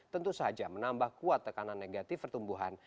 tentu saja menambah kuat tekanan negatif pertumbuhan